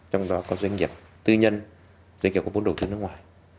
trong đó có doanh nghiệp tư nhân doanh nghiệp có vốn đầu tư nước ngoài